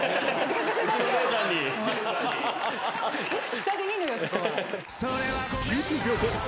したでいいのよそこは。